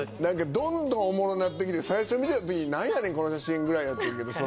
どんどんおもろなってきて最初見た時に「何やねんこの写真」ぐらいやってんけど。